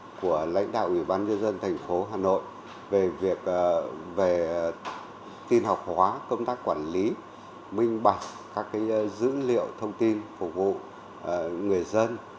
của lãnh đạo ủy ban nhân dân thành phố hà nội về việc về tin học hóa công tác quản lý minh bạch các dữ liệu thông tin phục vụ người dân